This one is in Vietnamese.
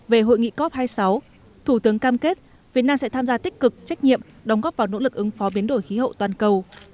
về hội nghị cop hai mươi sáu thủ tướng cam kết việt nam sẽ tham gia tích cực trách nhiệm đóng góp vào nỗ lực ứng phó biến đổi khí hậu toàn cầu